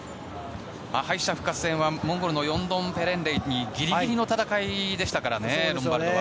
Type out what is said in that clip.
敗者復活戦はモンゴルのヨンドンペレンレイにギリギリの戦いでしたからねロンバルドは。